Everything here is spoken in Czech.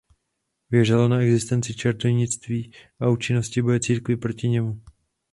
Věřil na existenci čarodějnictví a účinnosti boje církve proti němu.